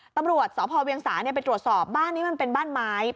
ตำรวจสพเวียงสาไปตรวจสอบบ้านนี้มันเป็นบ้านไม้